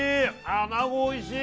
アナゴおいしい！